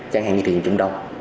chẳng hạn như thị trường trung đông